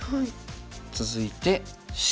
続いてＣ。